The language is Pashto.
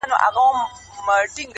نن: سیاه پوسي ده.